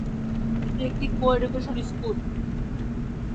এটি একটি co-education school.